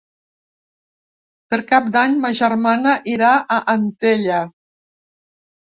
Per Cap d'Any ma germana irà a Antella.